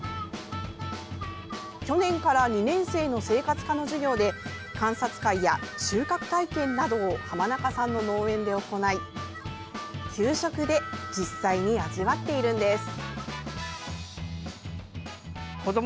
去年から２年生の生活科の授業で観察会や収穫体験などを濱中さんの農園で行い給食で実際に味わっているんです。